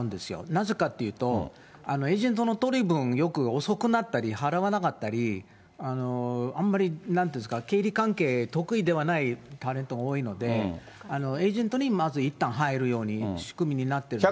なぜかっていうと、エージェントの取り分、よく遅くなったり、払わなかったり、あんまり、なんていうんですか、経理関係得意ではないタレントが多いので、エージェントにまずいったん入るように、仕組みになってます。